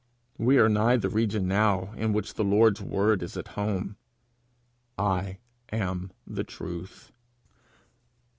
We are nigh the region now in which the Lord's word is at home 'I am the truth.'